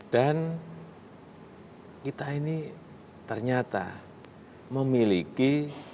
dan kita ini ternyata memiliki